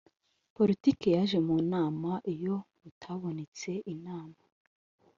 Politiki yaje mu nama Iyo butabonetse inama